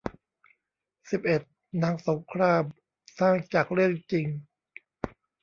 สิบเอ็ด หนังสงคราม สร้างจากเรื่องจริง